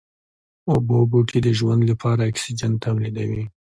اوبو بوټي د ژوند لپاره اکسيجن توليدوي